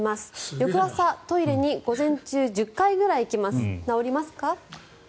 翌朝、トイレに午前中１０回くらい行きます治りますか？